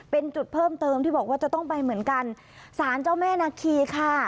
เป็นจุดเพิ่มเติมที่บอกว่าจะต้องไปเหมือนกันสารเจ้าแม่นาคีค่ะ